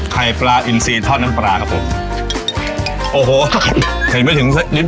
ปลาอินซีทอดน้ำปลาครับผมโอ้โหเห็นไม่ถึงลิ้น